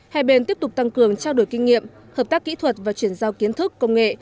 hai bên tiếp tục tăng cường trao đổi kinh nghiệm hợp tác kỹ thuật và chuyển giao kiến thức công nghệ